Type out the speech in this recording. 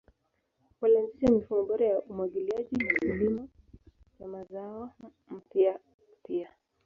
Walianzisha mifumo bora ya umwagiliaji na kilimo cha mazao mapya pia.